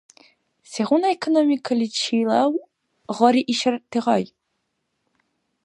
Сегъуна экономикаличилав, гъари ишарти гъай?